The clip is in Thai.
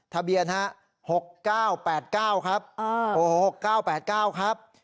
ทะเบียนฮะ๖๙๘๙ครับ๖๙๘๙ครับ